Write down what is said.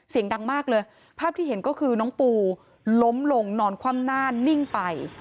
เสียงดังมากเลยภาพที่เห็นก็คือน้องปูล้มลงนอนคว่ำหน้านิ่งไป